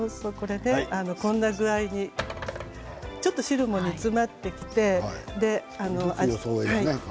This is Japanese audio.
こんな具合にちょっと汁も煮詰まってきて。